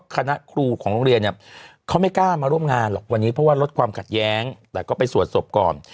คณะครูของโรงเรียนเนี่ยเขาไม่กล้ามาร่วมงานหรอกวันนี้เพราะว่าลดความขัดแย้งแต่ก็ไปสวดศพก่อน